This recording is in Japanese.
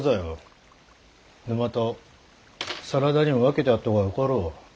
沼田を真田にも分けてやった方がよかろう。